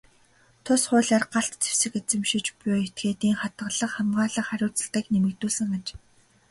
Тус хуулиар галт зэвсэг эзэмшиж буй этгээдийн хадгалах, хамгаалах хариуцлагыг нэмэгдүүлсэн аж.